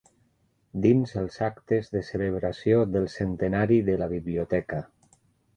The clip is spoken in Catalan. Dins els actes de celebració del Centenari de la Biblioteca.